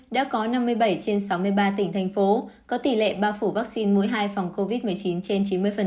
thành phố có tỷ lệ bao phủ vaccine mũi hai phòng covid một mươi chín trên chín mươi